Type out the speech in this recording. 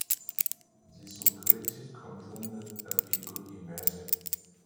It was the greatest compliment that he could imagine.